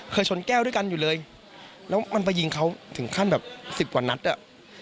ชนแก้วด้วยกันอยู่เลยแล้วมันไปยิงเขาถึงขั้นแบบสิบกว่านัดอ่ะ